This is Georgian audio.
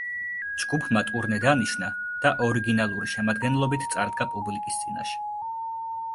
ჯგუფმა ტურნე დანიშნა და ორიგინალური შემადგენლობით წარდგა პუბლიკის წინაშე.